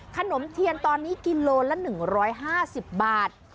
ขนมเทียนตอนนี้กิโลละ๑๕๐บาท